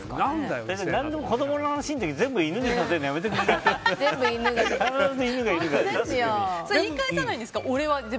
何でも子供の話の時全部犬でたとえるのやめてくれる？